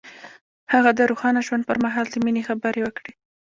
هغه د روښانه ژوند پر مهال د مینې خبرې وکړې.